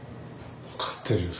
分かってるよ